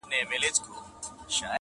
ګل ته ور نیژدې سمه اغزي مي تر زړه وخیژي،